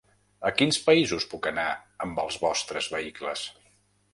A quins països puc anar amb els vostres vehicles?